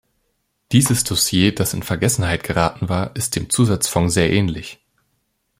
Dieses Dossier, das in Vergessenheit geraten war, ist dem Zusatzfonds sehr ähnlich!